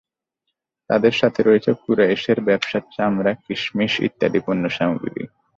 তাদের সাথে রয়েছে কুরাইশের ব্যবসার চামড়া, কিসমিস ইত্যাদি পণ্যসামগ্রী।